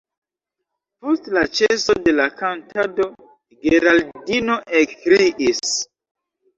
Post la ĉeso de la kantado Geraldino ekkriis: